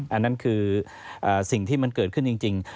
อันนั้นคือสิ่งที่มันเกิดขึ้นจริง